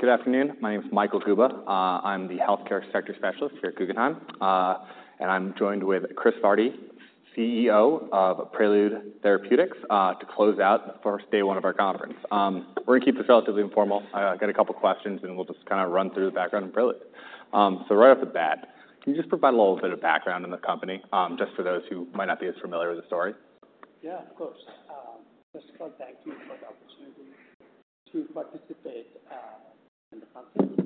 Good afternoon. My name is Michael Guba. I'm the healthcare sector specialist here at Wells Fargo. And I'm joined with Kris Vaddi, CEO of Prelude Therapeutics, to close out for day one of our conference. We're gonna keep this relatively informal. I got a couple questions, and we'll just kind of run through the background of Prelude. So right off the bat, can you just provide a little bit of background on the company, just for those who might not be as familiar with the story? Yeah, of course. Just thank you for the opportunity to participate in the company.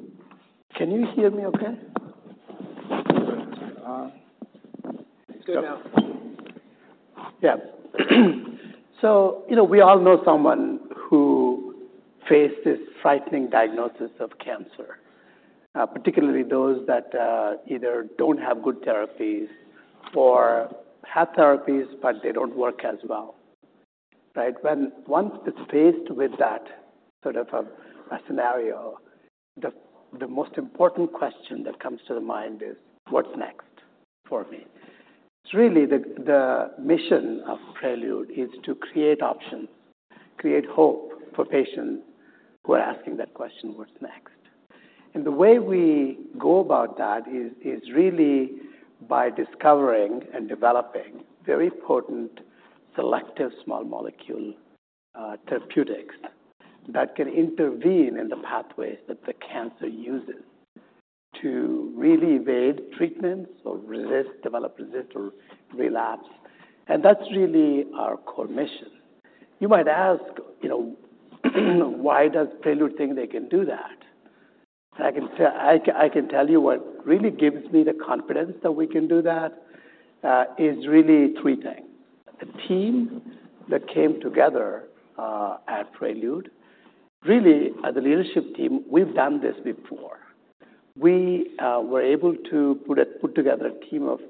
Can you hear me okay? Good now. Yeah. So, you know, we all know someone who faced this frightening diagnosis of cancer, particularly those that either don't have good therapies or have therapies, but they don't work as well, right? Once it's faced with that sort of a scenario, the most important question that comes to the mind is, "What's next for me?" Really, the mission of Prelude is to create options, create hope for patients who are asking that question, "What's next?" And the way we go about that is really by discovering and developing very potent, selective, small molecule therapeutics that can intervene in the pathways that the cancer uses to really evade treatments or resist, develop, resist, or relapse. And that's really our core mission. You might ask, you know, "Why does Prelude think they can do that?" I can tell you what really gives me the confidence that we can do that is really three things. The team that came together at Prelude, really, as a leadership team, we've done this before. We were able to put together a team of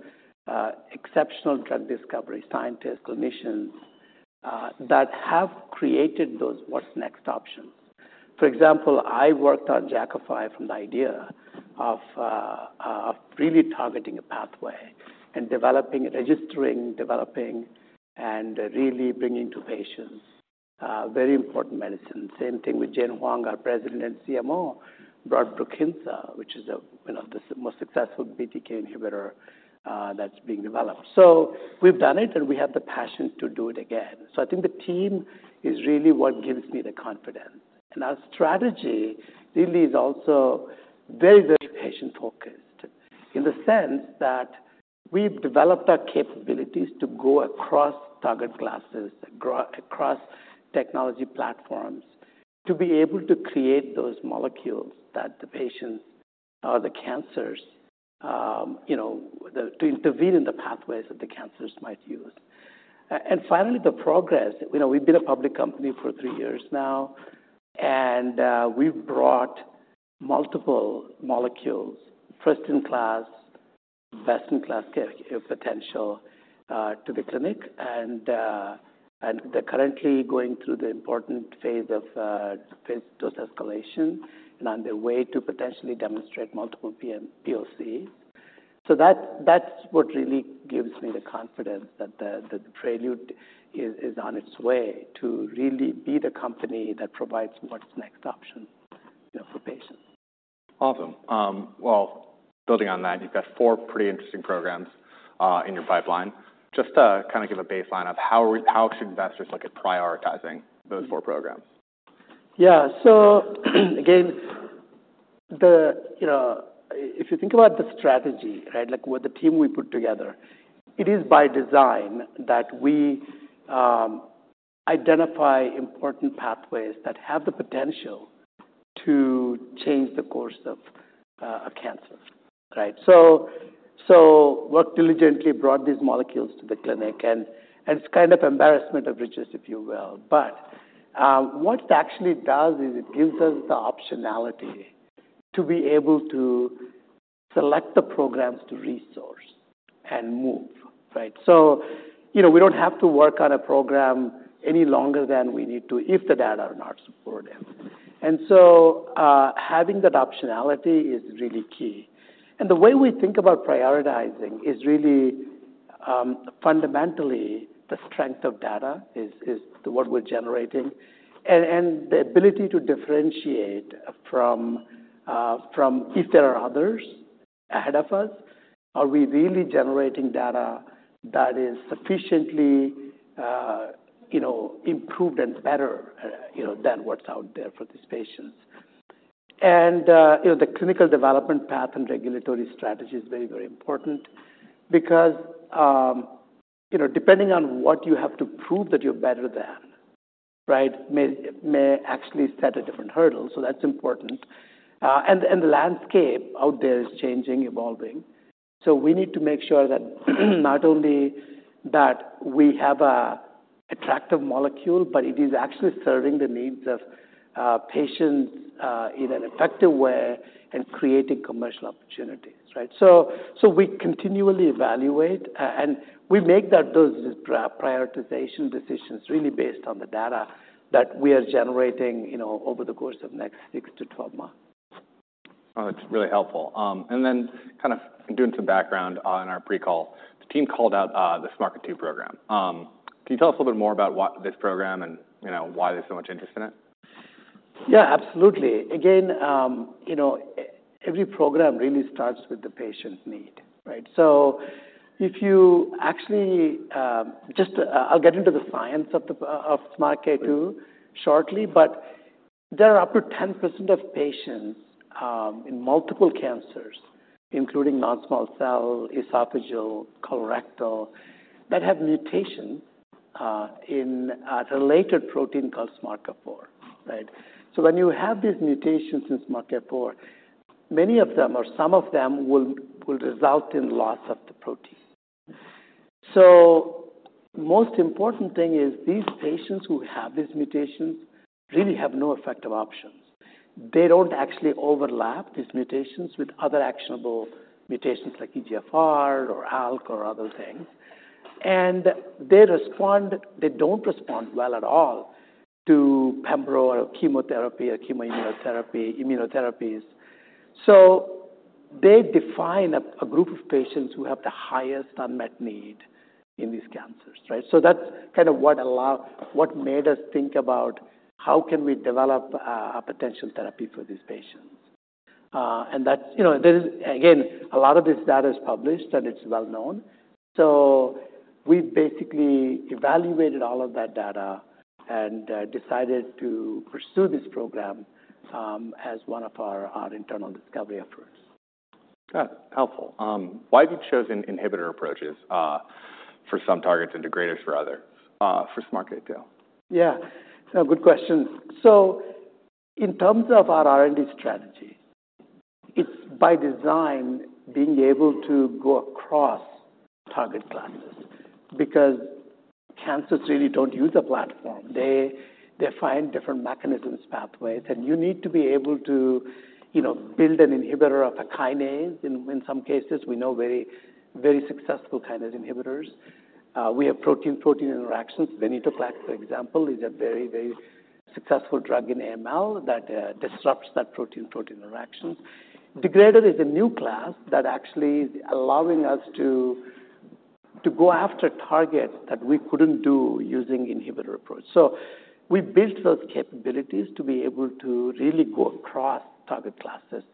exceptional drug discovery scientists, clinicians that have created those what's next options. For example, I worked on Jakafi from the idea of really targeting a pathway and developing, registering, developing, and really bringing to patients very important medicine. Same thing with Jane Huang, our President and CMO, brought BRUKINSA, which is a, you know, the most successful BTK inhibitor that's being developed. So we've done it, and we have the passion to do it again. So I think the team is really what gives me the confidence. And our strategy really is also very, very patient-focused in the sense that we've developed our capabilities to go across target classes, across technology platforms, to be able to create those molecules that the patients or the cancers, you know, to intervene in the pathways that the cancers might use. And finally, the progress. You know, we've been a public company for three years now, and we've brought multiple molecules, first-in-class, best-in-class care potential, to the clinic. And they're currently going through the important phase of phase dose escalation and on their way to potentially demonstrate multiple POCs. So that, that's what really gives me the confidence that the Prelude is on its way to really be the company that provides what's next option, you know, for patients. Awesome. Well, building on that, you've got four pretty interesting programs in your pipeline. Just to kind of give a baseline of how should investors look at prioritizing those four programs? Yeah. So, again, you know, if you think about the strategy, right, like with the team we put together, it is by design that we identify important pathways that have the potential to change the course of a cancer, right? So, worked diligently, brought these molecules to the clinic, and it's kind of embarrassment of riches, if you will. But, what it actually does is it gives us the optionality to be able to select the programs to resource and move, right? So, you know, we don't have to work on a program any longer than we need to if the data are not supportive. And so, having that optionality is really key. The way we think about prioritizing is really, fundamentally, the strength of data is what we're generating, and the ability to differentiate from if there are others ahead of us, are we really generating data that is sufficiently, you know, improved and better, you know, than what's out there for these patients? And, you know, the clinical development path and regulatory strategy is very, very important because, you know, depending on what you have to prove that you're better than, right, may actually set a different hurdle, so that's important. And the landscape out there is changing, evolving, so we need to make sure that, not only that we have a attractive molecule, but it is actually serving the needs of patients in an effective way and creating commercial opportunities, right? We continually evaluate, and we make those prioritization decisions really based on the data that we are generating, you know, over the course of next 6-12 months.... Oh, that's really helpful. And then kind of doing some background on our pre-call, the team called out the SMARCA2 program. Can you tell us a little bit more about what this program and, you know, why there's so much interest in it? Yeah, absolutely. Again, you know, every program really starts with the patient's need, right? So if you actually just, I'll get into the science of the SMARCA2 shortly, but there are up to 10% of patients in multiple cancers, including non-small cell, esophageal, colorectal, that have mutation in a related protein called SMARCA4, right? So when you have these mutations in SMARCA4, many of them or some of them will result in loss of the protein. So most important thing is, these patients who have these mutations really have no effective options. They don't actually overlap, these mutations, with other actionable mutations like EGFR or ALK or other things. And they respond... They don't respond well at all to Pembro, or chemotherapy, or chemoimmunotherapy, immunotherapies. So they define a group of patients who have the highest unmet need in these cancers, right? So that's kind of what made us think about how can we develop a potential therapy for these patients. And that's, you know, there is, again, a lot of this data is published, and it's well known. So we basically evaluated all of that data and decided to pursue this program as one of our internal discovery efforts. Got it. Helpful. Why have you chosen inhibitor approaches for some targets and degraders for others for SMARCA2? Yeah, it's a good question. So in terms of our R&D strategy, it's by design being able to go across target classes because cancers really don't use a platform. They find different mechanisms, pathways, and you need to be able to, you know, build an inhibitor of a kinase. In some cases, we know very, very successful kinase inhibitors. We have protein-protein interactions. Venetoclax, for example, is a very, very successful drug in AML that disrupts that protein-protein interactions. Degrader is a new class that actually is allowing us to go after targets that we couldn't do using inhibitor approach. So we built those capabilities to be able to really go across target classes,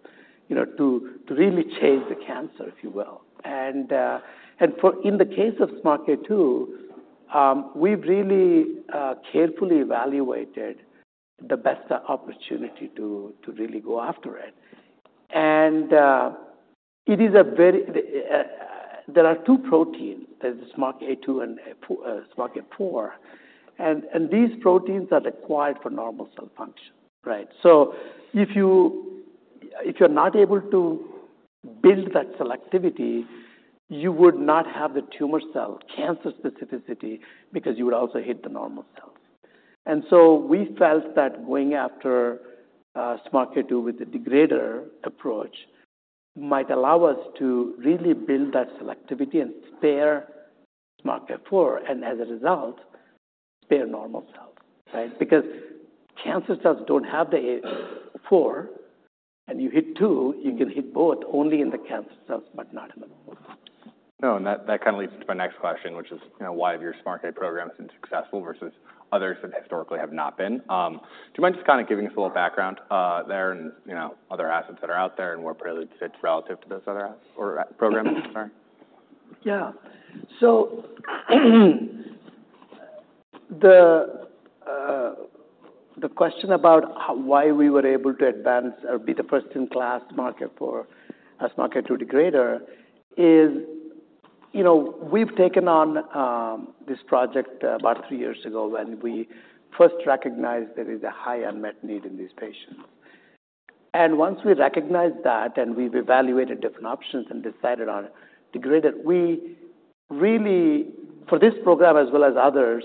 you know, to really change the cancer, if you will. And for... In the case of SMARCA2, we've really carefully evaluated the best opportunity to really go after it. There are two proteins. There's the SMARCA2 and SMARCA4, and these proteins are required for normal cell function, right? So if you're not able to build that selectivity, you would not have the tumor cell, cancer specificity, because you would also hit the normal cells. And so we felt that going after SMARCA2 with the degrader approach might allow us to really build that selectivity and spare SMARCA4, and as a result, spare normal cells, right? Because cancer cells don't have the SMARCA4, and you hit SMARCA2, you can hit both only in the cancer cells, but not in the normal. No, and that, that kind of leads to my next question, which is, you know, why have your SMARCA2 program been successful versus others that historically have not been? Do you mind just kind of giving us a little background there and, you know, other assets that are out there, and where PRT3789 fits relative to those other as, or programs, sorry? Yeah. So, the question about why we were able to advance or be the first-in-class SMARCA2 degrader is, you know, we've taken on this project about three years ago when we first recognized there is a high unmet need in these patients. And once we recognized that, and we've evaluated different options and decided on a degrader, we really, for this program as well as others,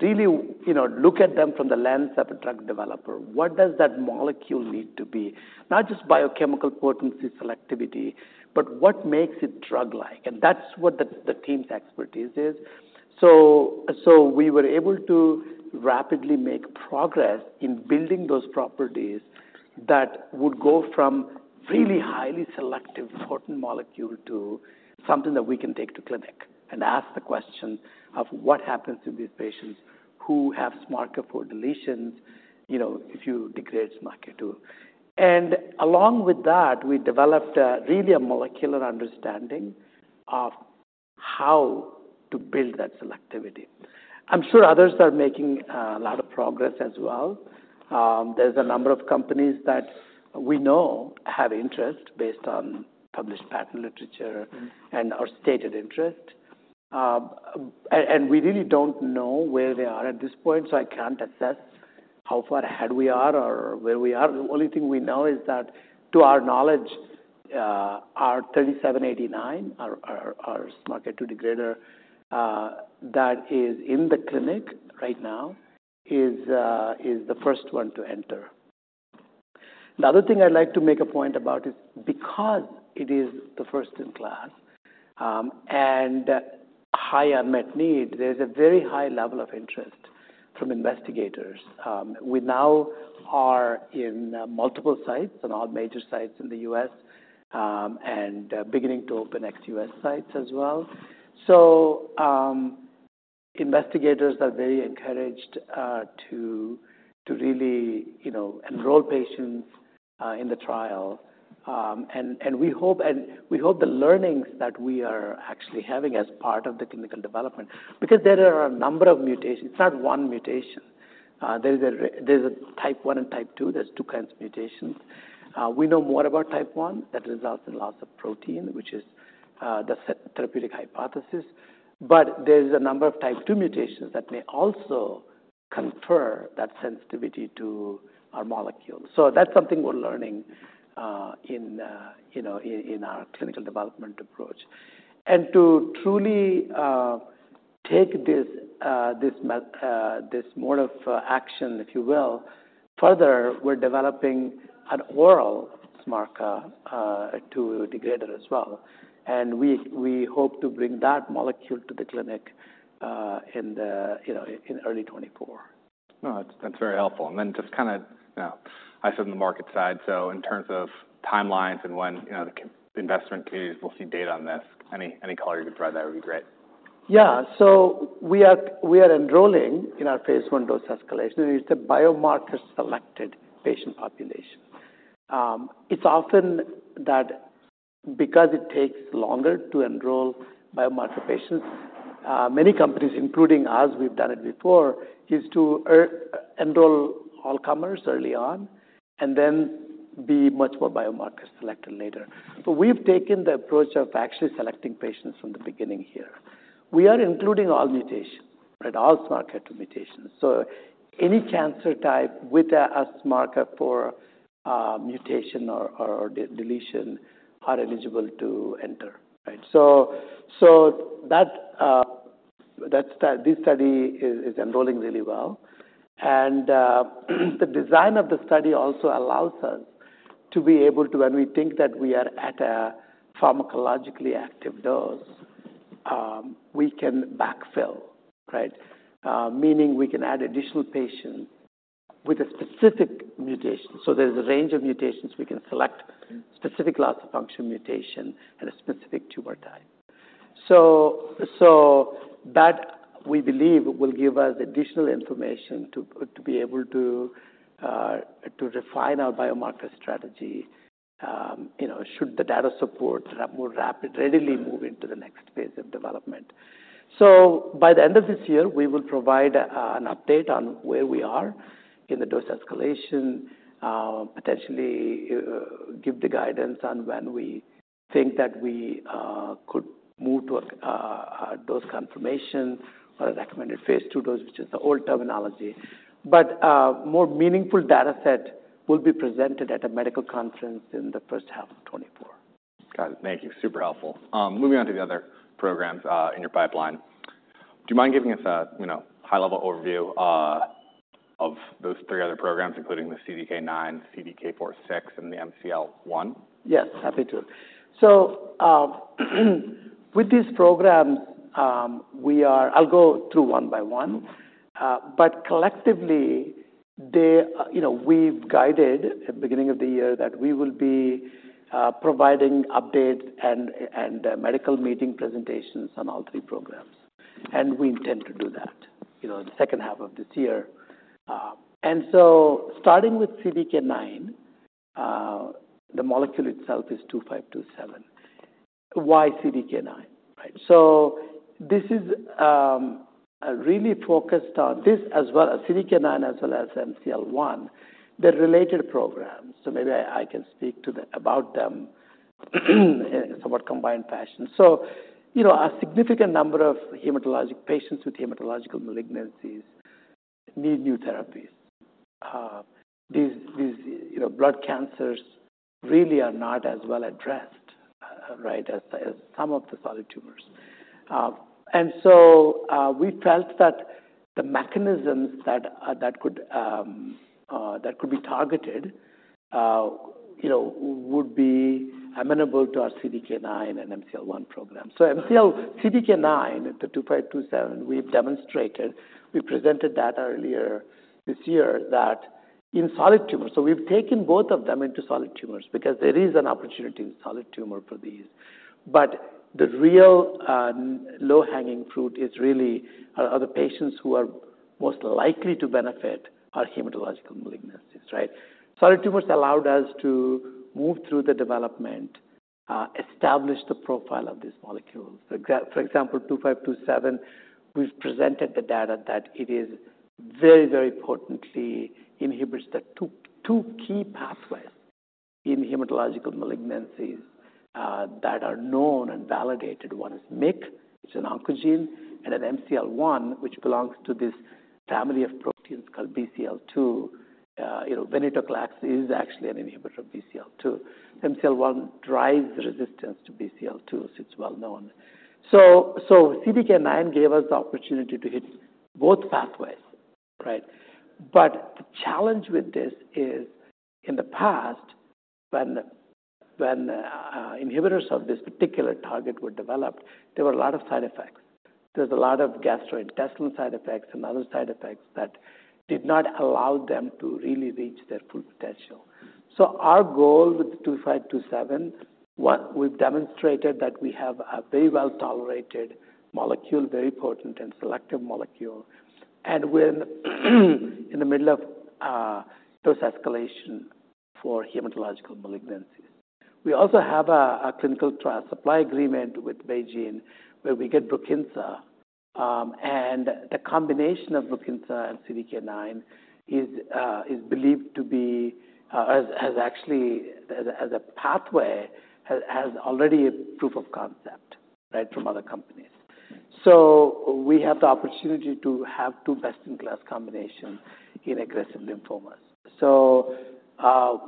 really, you know, look at them from the lens of a drug developer. What does that molecule need to be? Not just biochemical potency, selectivity, but what makes it drug-like? And that's what the team's expertise is. So we were able to rapidly make progress in building those properties that would go from really highly selective potent molecule to something that we can take to clinic, and ask the question of what happens to these patients who have SMARCA4 deletions, you know, if you degrade SMARCA2. And along with that, we developed really a molecular understanding of how to build that selectivity. I'm sure others are making a lot of progress as well. There's a number of companies that we know have interest based on published patent literature and, or stated interest. And we really don't know where they are at this point, so I can't assess how far ahead we are or where we are. The only thing we know is that, to our knowledge, our 3789, our SMARCA2 degrader, that is in the clinic right now, is the first one to enter. The other thing I'd like to make a point about is because it is the first-in-class, and high unmet need, there's a very high level of interest from investigators. We now are in multiple sites, in all major sites in the US, and beginning to open ex-US sites as well. So, investigators are very encouraged to really, you know, enroll patients in the trial. And we hope the learnings that we are actually having as part of the clinical development, because there are a number of mutations. It's not one mutation. There's a Type 1 and Type 2. There's two kinds of mutations. We know more about Type 1, that results in loss of protein, which is the set therapeutic hypothesis. But there's a number of Type 2 mutations that may also confer that sensitivity to our molecule. So that's something we're learning, you know, in our clinical development approach. And to truly take this mode of action, if you will, further, we're developing an oral SMARCA2 degrader as well. And we hope to bring that molecule to the clinic, you know, in early 2024. No, that's, that's very helpful. And then just kinda, you know, I sit on the market side, so in terms of timelines and when, you know, the investment communities will see data on this, any, any color you could provide, that would be great. Yeah. So we are enrolling in our phase 1 dose escalation, and it's a biomarker-selected patient population. It's often that because it takes longer to enroll biomarker patients, many companies, including us, we've done it before, is to enroll all comers early on and then be much more biomarker selected later. So we've taken the approach of actually selecting patients from the beginning here. We are including all mutations, right, all SMARCA2 mutations. So any cancer type with a SMARCA4 mutation or deletion are eligible to enter, right? So that this study is enrolling really well. And the design of the study also allows us to be able to, when we think that we are at a pharmacologically active dose, we can backfill, right? Meaning we can add additional patients with a specific mutation. So there's a range of mutations we can select, specific loss of function mutation and a specific tumor type. So that, we believe, will give us additional information to be able to refine our biomarker strategy, you know, should the data support more rapid, readily move into the next phase of development. So by the end of this year, we will provide an update on where we are in the dose escalation, potentially give the guidance on when we think that we could move to a dose confirmation or a recommended phase 2 dose, which is the old terminology. But more meaningful data set will be presented at a medical conference in the first half of 2024. Got it. Thank you. Super helpful. Moving on to the other programs in your pipeline, do you mind giving us a, you know, high-level overview of those three other programs, including the CDK9, CDK4/6, and the MCL-1? Yes, happy to. So, with this program, I'll go through one by one, but collectively, they, you know, we've guided at the beginning of the year that we will be providing updates and medical meeting presentations on all three programs, and we intend to do that, you know, in the second half of this year. And so starting with CDK9, the molecule itself is 2527. Why CDK9, right? So this is really focused on this as well, CDK9 as well as MCL-1, they're related programs, so maybe I can speak about them in a somewhat combined fashion. So, you know, a significant number of hematologic patients with hematological malignancies need new therapies. These, you know, blood cancers really are not as well addressed, right, as some of the solid tumors. And so, we felt that the mechanisms that could be targeted, you know, would be amenable to our CDK9 and MCL-1 program. So MCL, CDK9, the 2527, we've demonstrated, we presented data earlier this year, that in solid tumors. So we've taken both of them into solid tumors because there is an opportunity in solid tumor for these. But the real, low-hanging fruit is really, the patients who are most likely to benefit our hematological malignancies, right? Solid tumors allowed us to move through the development, establish the profile of these molecules. For example, 2527, we've presented the data that it is very, very potently inhibits the two key pathways in hematological malignancies, that are known and validated. One is MYC, which is an oncogene, and an MCL-1, which belongs to this family of proteins called BCL-2. You know, venetoclax is actually an inhibitor of BCL-2. MCL-1 drives resistance to BCL-2, so it's well known. So, so CDK9 gave us the opportunity to hit both pathways.... Right. But the challenge with this is, in the past, when inhibitors of this particular target were developed, there were a lot of side effects. There's a lot of gastrointestinal side effects and other side effects that did not allow them to really reach their full potential. So our goal with 2527, one, we've demonstrated that we have a very well-tolerated molecule, very potent and selective molecule, and we're, in the middle of, dose escalation for hematological malignancies. We also have a clinical trial supply agreement with BeiGene, where we get BRUKINSA. And the combination of BRUKINSA and CDK9 is believed to have actually, as a pathway, already a proof of concept, right, from other companies. So we have the opportunity to have two best-in-class combinations in aggressive lymphomas. So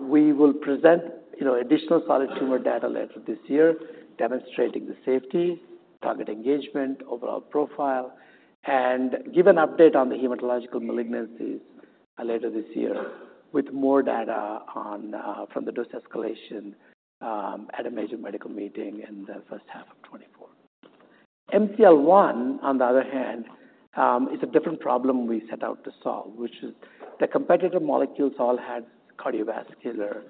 we will present, you know, additional solid tumor data later this year, demonstrating the safety, target engagement, overall profile, and give an update on the hematological malignancies later this year, with more data from the dose escalation at a major medical meeting in the first half of 2024. MCL-1, on the other hand, is a different problem we set out to solve, which is the competitive molecules all had cardiovascular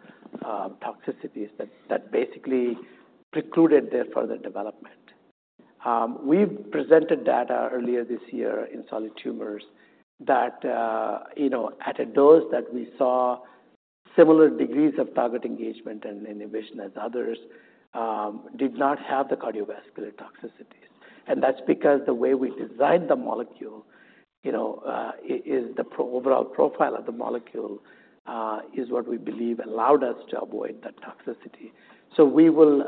toxicities that basically precluded their further development. We've presented data earlier this year in solid tumors that, you know, at a dose that we saw similar degrees of target engagement and inhibition as others, did not have the cardiovascular toxicities. And that's because the way we designed the molecule, you know, is the overall profile of the molecule, is what we believe allowed us to avoid that toxicity. So we will,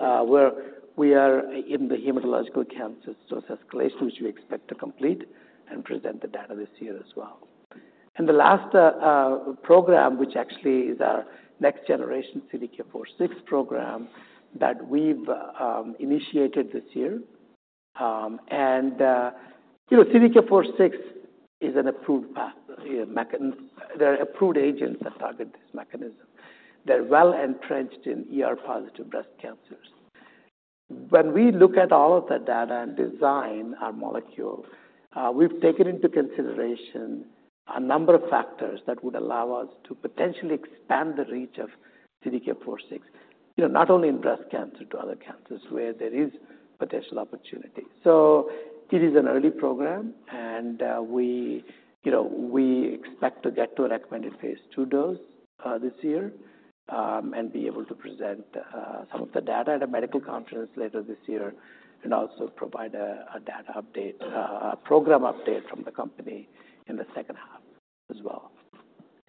we are in the hematological cancer dose escalation, which we expect to complete and present the data this year as well. And the last program, which actually is our next generation CDK4/6 program, that we've initiated this year. And, you know, CDK4/6 is an approved path. There are approved agents that target this mechanism. They're well entrenched in ER-positive breast cancers. When we look at all of the data and design our molecule, we've taken into consideration a number of factors that would allow us to potentially expand the reach of CDK4/6, you know, not only in breast cancer, to other cancers where there is potential opportunity. So it is an early program, and, we, you know, we expect to get to a recommended phase 2 dose, this year, and be able to present, some of the data at a medical conference later this year, and also provide a, a data update, a program update from the company in the second half as well.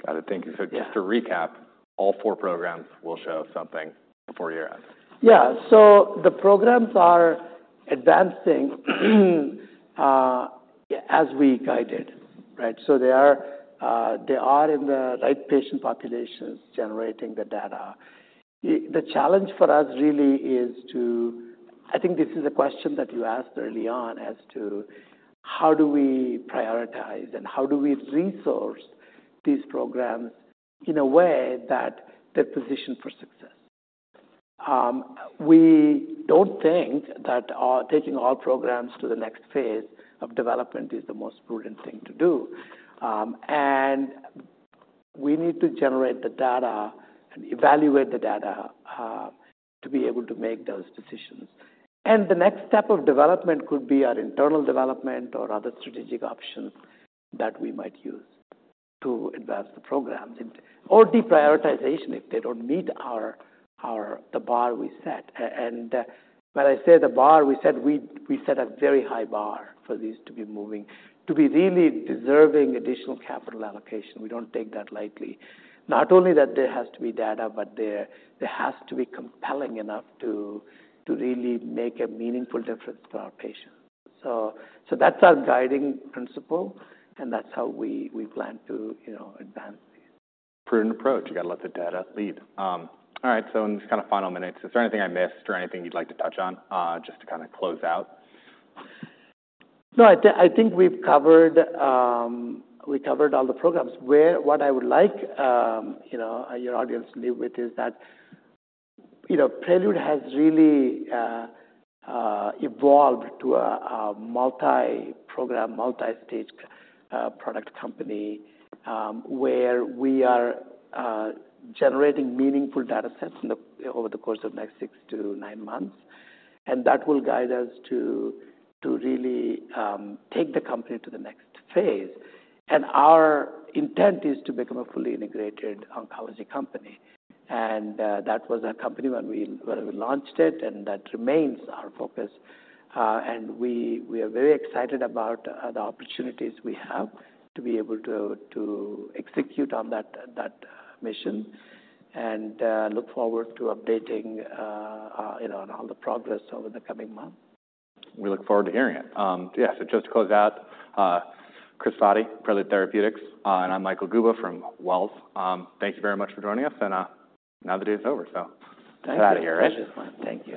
Got it. Thank you. Yeah. Just to recap, all four programs will show something before year end? Yeah. So the programs are advancing as we guided, right? So they are in the right patient populations, generating the data. The challenge for us really is to... I think this is a question that you asked early on, as to how do we prioritize and how do we resource these programs in a way that they're positioned for success? We don't think that taking all programs to the next phase of development is the most prudent thing to do. And we need to generate the data and evaluate the data to be able to make those decisions. And the next step of development could be our internal development or other strategic options that we might use to advance the programs, or deprioritization, if they don't meet the bar we set. when I say the bar we set, we, we set a very high bar for these to be moving, to be really deserving additional capital allocation. We don't take that lightly. Not only that there has to be data, but there, there has to be compelling enough to, to really make a meaningful difference to our patients. So, so that's our guiding principle, and that's how we, we plan to, you know, advance this. Prudent approach. You got to let the data lead. All right, so in this kind of final minutes, is there anything I missed or anything you'd like to touch on, just to kind of close out? No, I think we've covered, we covered all the programs. What I would like, you know, your audience to leave with is that, you know, Prelude has really evolved to a multi-program, multi-stage product company, where we are generating meaningful data sets over the course of the next 6-9 months, and that will guide us to really take the company to the next phase. Our intent is to become a fully integrated oncology company. That was our company when we launched it, and that remains our focus. And we are very excited about the opportunities we have to be able to execute on that mission, and look forward to updating, you know, on all the progress over the coming months. We look forward to hearing it. Yes, so just to close out, Kris Vaddi, Prelude Therapeutics, and I'm Michael Guba from Wells. Thank you very much for joining us and, now the day is over. So- Thank you. Glad to hear it. Thank you.